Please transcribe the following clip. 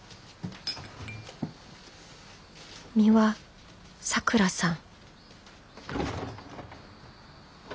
美羽さくらさん